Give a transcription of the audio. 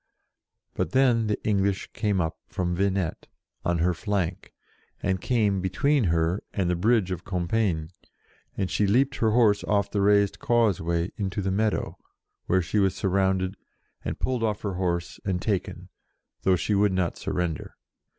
But then the English came up from Venette, on her flank, and came between her and the bridge of Compiegne, and she leaped her horse off the raised causeway into the meadow, where she was surrounded, and pulled off her horse and taken, though she would not surrender.